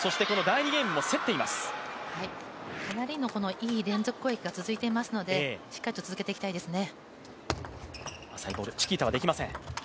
いい連続攻撃が続いていますのでしっかりと続けていきたいですね。